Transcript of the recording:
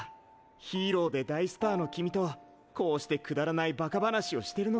ヒーローで大スターの君とこうしてくだらないバカ話をしてるのが。